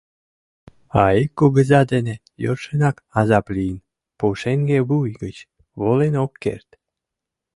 А ик кугыза дене йӧршынак азап лийын: пушеҥге вуй гыч волен ок керт.